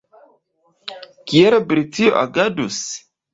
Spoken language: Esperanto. Kiel Britio agadus?